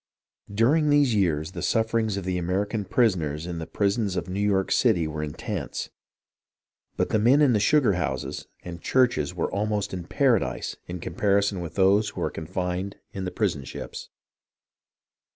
During these years the sufferings of the American prisoners in the prisons of New York City were intense ; but the men in the sugar houses and churches were almost in paradise in comparison with those who were confined in the prison ships.